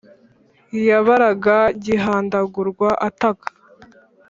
yabaraga gihandagurwa ataka